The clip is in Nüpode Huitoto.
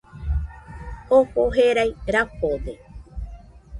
Jofo jerai rafode